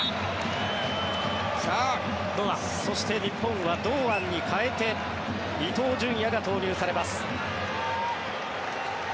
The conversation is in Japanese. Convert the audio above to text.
そして、日本は堂安に代えて伊東純也が投入されます。